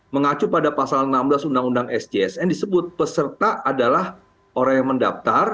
mengacu pada pasal enam belas undang undang sjsn disebut peserta adalah orang yang mendaftar